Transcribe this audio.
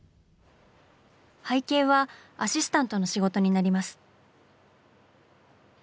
背景はアシスタントの仕事になります。